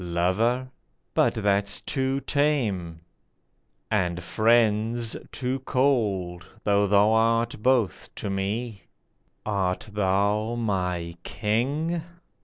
" Lover ?" But that's too tame. And " Friend " 's too cold, though thou art both to me. Art thou my King